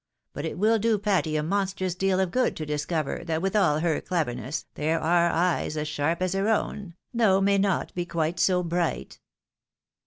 But it will do Patty a monstrous deal of good to discover, that with all her cleverness, there are eyes as sharp as her own, though may be not quite bo bright.